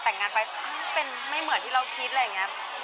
แต่งงานไปเป็นไม่เหมือนที่เราคิดอะไรอย่างนี้